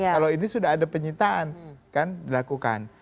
kalau ini sudah ada penyitaan kan dilakukan